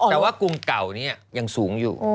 แต่ว่ากรุงเก่านี้ยังสูงอยู่